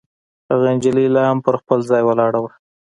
هغه نجلۍ لا هم پر خپل ځای ولاړه وه.